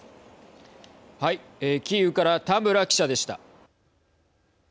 キーウから田村記者でした。